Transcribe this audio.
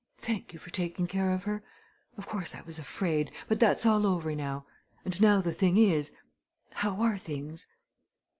"Thank you for taking care of her. Of course I was afraid but that's all over now. And now the thing is how are things?"